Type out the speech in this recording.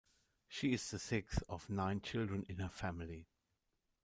She is the sixth of nine children in her family.